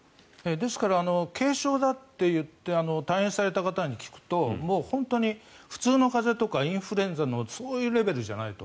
ですから軽症だって言って退院された方に聞くともう本当に普通の風邪とかインフルエンザのそういうレベルじゃないと。